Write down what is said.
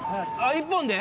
１本で？